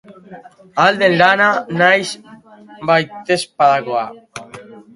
Ahal den lana, nahiz baitezpadakoa!